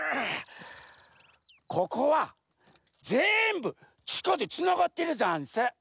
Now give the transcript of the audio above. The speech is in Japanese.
ここはぜんぶちかでつながってるざんす。